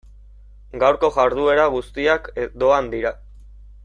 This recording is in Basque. Gaurko jarduera guztiak doan dira.